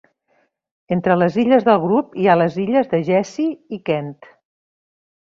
Entre les illes del grup hi ha les illes Jessie i Kent.